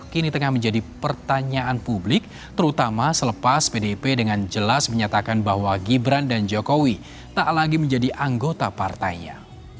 kini tengah menjadi pertanyaan publik terutama selepas pdip dengan jelas menyatakan bahwa gibran dan jokowi tak lagi menjadi anggota partainya